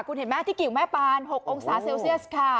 คุณเห็นไหมที่กิ่งแม่ปาน๖องศาเซลเซียสค่ะ